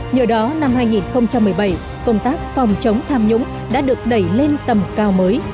nhờ đó năm hai nghìn một mươi bảy công tác phòng chống tham nhũng đã được đẩy lên tầm cao mới